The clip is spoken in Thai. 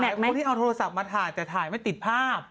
แต่คนที่เอาโทรศัพท์มาถ่ายแต่ถ่ายไม่ติดภาพ